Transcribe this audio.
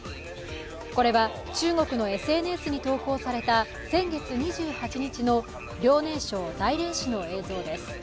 これは中国のＳＮＳに投稿された先月２８日の遼寧省大連市の映像です。